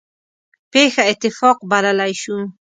پېښه اتفاق بللی شو.